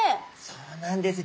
そうなんです。